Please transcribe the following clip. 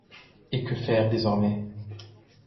Et que faire désormais?